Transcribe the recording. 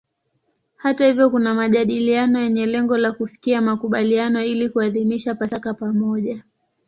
Hata hivyo kuna majadiliano yenye lengo la kufikia makubaliano ili kuadhimisha Pasaka pamoja.